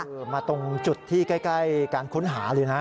มาตรงจุดที่ใกล้การค้นหาเลยนะ